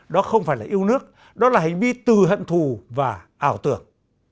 đó không phải là yêu nước đó là hành vi tự hận thù và ảo tượng